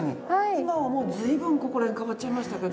今はもう随分ここら辺変わっちゃいましたけど。